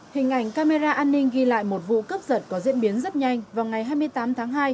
hình ảnh camera an ninh ghi lại một vụ cướp giật có diễn biến rất nhanh vào ngày hai mươi tám tháng hai